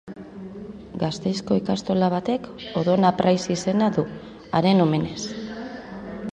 Gasteizko ikastola batek Odon Apraiz izena du, haren omenez.